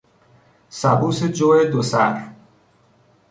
سبوس جو دو سر